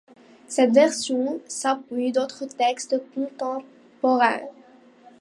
Cette version s'appuie d'autres textes contemporains.